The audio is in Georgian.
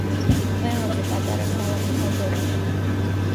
ყველაზე პატარა ქალაქი მოლდოვაში.